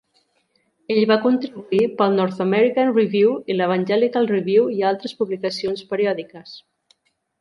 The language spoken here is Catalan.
Ell va contribuir per al "North American Review", l'"Evangelical Review" i altres publicacions periòdiques.